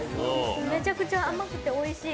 めちゃくちゃ甘くておいしい。